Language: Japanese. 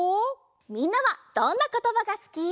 みんなはどんなことばがすき？